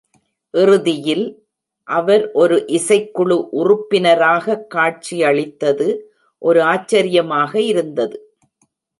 இறுதியில், அவர் ஒரு இசைக்குழு உறுப்பினராக காட்சியளித்தது , ஒரு ஆச்சரியமாக இருந்தது.